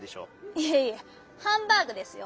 いえいえ「ハンバーグ」ですよ。